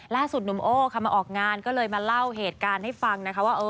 หนุ่มโอ้ค่ะมาออกงานก็เลยมาเล่าเหตุการณ์ให้ฟังนะคะว่า